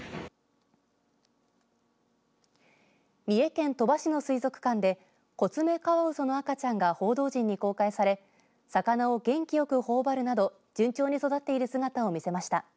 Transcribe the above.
三重県鳥羽市の水族館でコツメカワウソの赤ちゃんが報道陣に公開され魚を元気よくほおばるなど順調に育っている姿を見せました。